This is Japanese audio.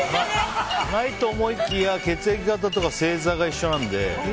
ないと思いきや血液型とか星座が一緒なので。